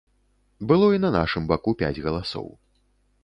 Было і на нашым баку пяць галасоў.